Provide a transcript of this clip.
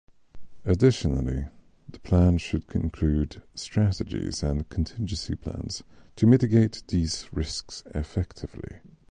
Additionally, the plan should include strategies and contingency plans to mitigate these risks effectively.